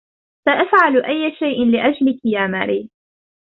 سأفعل أيّ شيء لأجلك يا ماري.